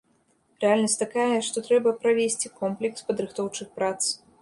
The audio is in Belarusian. Рэальнасць такая, што трэба правесці комплекс падрыхтоўчых прац.